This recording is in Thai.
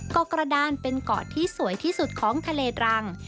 เกาะกระดานเป็นเกาะที่สวยที่สุดของทะเลตรัง